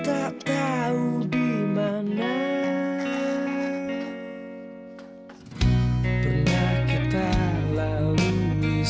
aku mulai ferah caucus